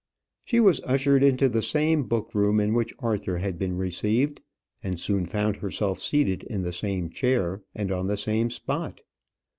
She was ushered into the same book room in which Arthur had been received, and soon found herself seated in the same chair, and on the same spot.